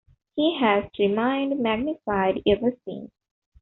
He has remained magnified ever since.